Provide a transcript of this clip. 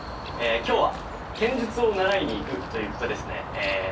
今日は剣術を習いにいくということですね。